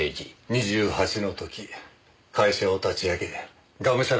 ２８の時会社を立ち上げがむしゃらにやってきました。